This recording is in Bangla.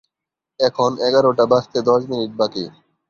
এখন এগারোটা বাজতে দশ মিনিট বাকি।